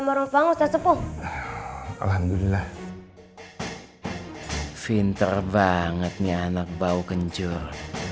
morong bangus dan sepuh alhamdulillah fintar banget nih anak bau kencur